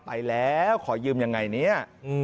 ไปแล้วขอยืมยังไงเนี่ย